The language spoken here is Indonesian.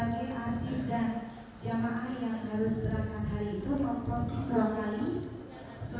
tentang paket paket yang ada di uang saudara dedy